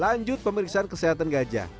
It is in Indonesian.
lanjut pemeriksaan kesehatan gajah